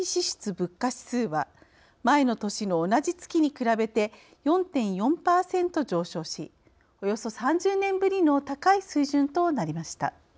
物価指数は前の年の同じ月に比べて４．４％上昇しおよそ３０年ぶりの高い水準となりました。